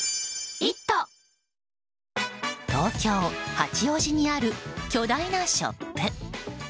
東京・八王子市にある巨大なショップ。